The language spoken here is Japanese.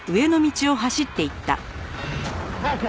早く！